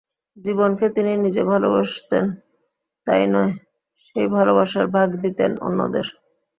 জীবনকে তিনি নিজে ভালোবাসতেন তা-ই নয়, সেই ভালোবাসার ভাগ দিতেন অন্যদের।